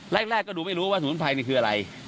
แรกก็ดูไม่รู้ว่าสมุนไพรนี่คืออะไร